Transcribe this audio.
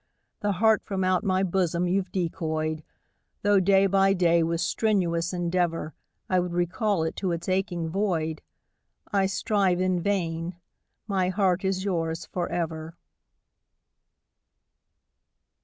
The heart from out my bosom you've decoyed, Though day by day with strenuous endeavour I would recall it to its aching void. I strive in vain my heart is yours for ever.